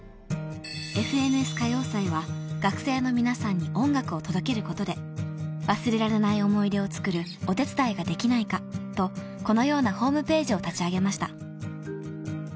［『ＦＮＳ歌謡祭』は学生の皆さんに音楽を届けることで忘れられない思い出をつくるお手伝いができないかとこのようなホームページをたちあげました］